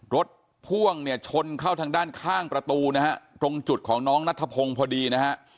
พ่วงเนี่ยชนเข้าทางด้านข้างประตูนะฮะตรงจุดของน้องนัทพงศ์พอดีนะฮะ